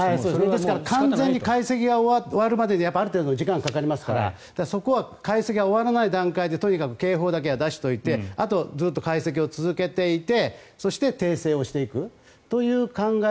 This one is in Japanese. ですから完全に解析が終わるまでにはある程度の時間がかかりますからそこは解析が終わらない段階でとにかく警報だけは出しておいてあとはずっと解析を続けていってそして訂正をしていくという考え。